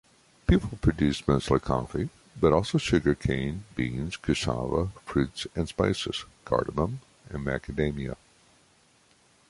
People produce mostly coffee, but also sugarcane, beans, cassava, fruits and spices-cardamom and macadamia.